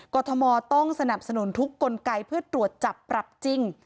กรทมต้องสนับสนุนทุกกลไกเพื่อตรวจจับปรับจริง